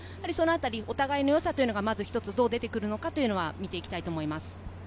お互いの良さが一つどう出てくるのか見ていきたいと思います。